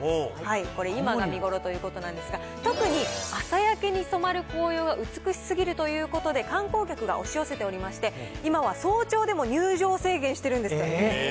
これ、今が見頃ということなんですが、特に朝焼けに染まる紅葉が美しすぎるということで、観光客が押し寄せておりまして、今は早朝でも入場制限してるんですって。